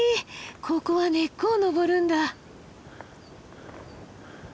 ここは根っこを登るんだ。